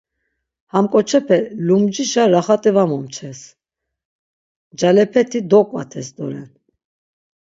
Ham ǩoçepe lumcişa raxat̆i var momçes, ncalepeti doǩvates doren.